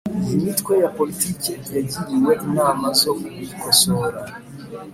iyi mitwe ya politiki yagiriwe inama zo kubikosora.